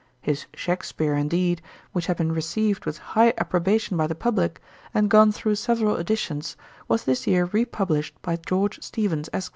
His Shakspeare, indeed, which had been received with high approbation by the publick, and gone through several editions, was this year re published by George Steevens, Esq.